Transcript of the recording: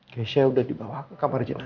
keisha udah dibawa ke kamar jenazah